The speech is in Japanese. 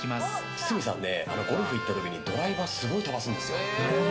堤さん、ゴルフに行った時にドライバーすごい飛ばすんですよ。